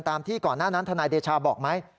ที่ก่อนหน้านั้นทนายเดชาบอกไหม